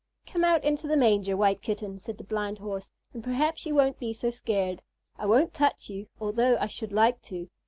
"Come out into the manger, White Kitten," said the Blind Horse, "and perhaps you won't be so scared. I won't touch you, although I should like to.